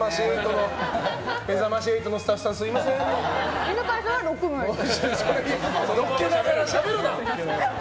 「めざまし８」のスタッフさん犬飼さんは６枚でした。